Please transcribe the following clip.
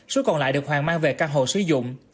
số còn lại được hoàng mang về căn hộ sử dụng